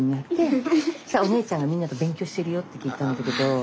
そしたら「お姉ちゃんがみんなと勉強してるよ」って聞いたんだけど。